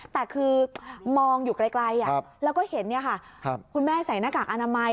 แต่คือมองอยู่ไกลแล้วก็เห็นคุณแม่ใส่หน้ากากอนามัย